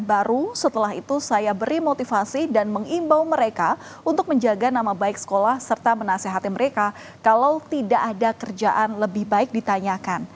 baru setelah itu saya beri motivasi dan mengimbau mereka untuk menjaga nama baik sekolah serta menasehati mereka kalau tidak ada kerjaan lebih baik ditanyakan